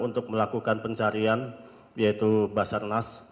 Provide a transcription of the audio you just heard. untuk melakukan pencarian yaitu basarnas